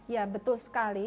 ya betul sekali